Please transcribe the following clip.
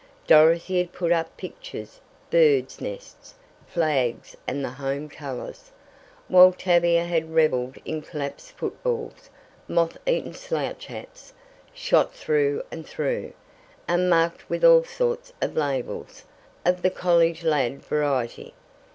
Dorothy had put up pictures, birds' nests, flags and the home colors, while Tavia had revelled in collapsed footballs, moth eaten slouch hats, shot through and through, and marked with all sorts of labels, of the college lad variety.